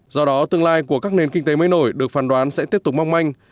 do đó tương lai của các nền kinh tế mới nổi được phán đoán sẽ tiếp tục mong manh